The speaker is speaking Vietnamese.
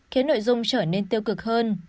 khiến nội dung trở nên tiêu cực hơn